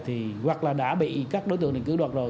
thì hoặc là đã bị các đối tượng này cứ đoạt rồi